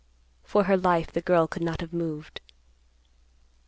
For her life the girl could not have moved.